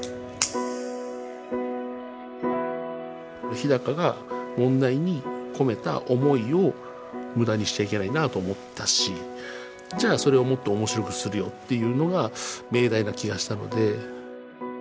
日が問題に込めた思いを無駄にしちゃいけないなと思ったしじゃあそれをもっと面白くするよっていうのが命題な気がしたので。